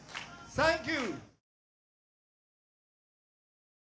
サンキュー！